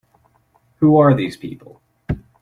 Who are these people?